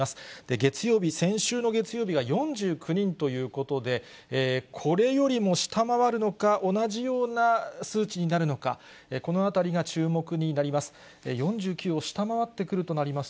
月曜日、先週の月曜日が４９人ということで、これよりも下回るのか、同じような数値になるのか、このあたりが注目になります。